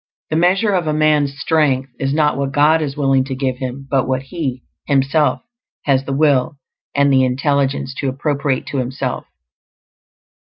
The measure of a man's strength is not what God is willing to give him, but what he, himself, has the will and the intelligence to appropriate to himself.